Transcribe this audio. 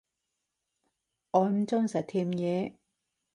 我唔鍾意食甜野